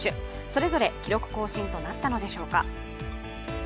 それぞれ記録更新となったのでしょうか。